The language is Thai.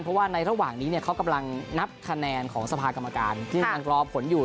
เพราะว่าในระหว่างนี้เขากำลังนับคะแนนของสภากรรมการที่กำลังรอผลอยู่